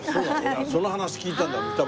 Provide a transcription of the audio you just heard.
俺その話聞いたんだ歌